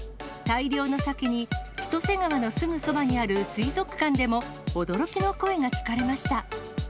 大量のサケに、千歳川のすぐそばにある水族館でも、驚きの声が聞かれました。